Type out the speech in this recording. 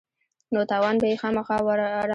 نو تاوان به يې خامخا وراړاوه.